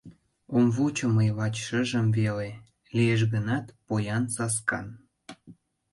Ом вучо мый лач шыжым веле, Лиеш гынат поян саскан.